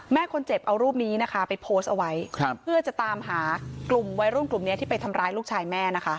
แม่คนเจ็บเอารูปนี้นะคะไปโพสต์เอาไว้เพื่อจะตามหากลุ่มวัยรุ่นกลุ่มนี้ที่ไปทำร้ายลูกชายแม่นะคะ